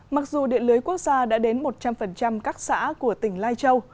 mặc dù điện lưới quốc gia đã đến một trăm linh các xã của tỉnh lai châu